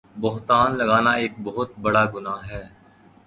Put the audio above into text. بہتان لگانا ایک بہت بڑا گناہ ہے